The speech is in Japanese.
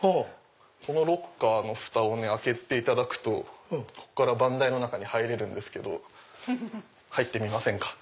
このロッカーのフタを開けていただくと番台の中に入れるんですけど入ってみませんか？